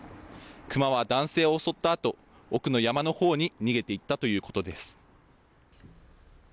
クマは男性を襲ったあと奥の山の方に逃げていったということです。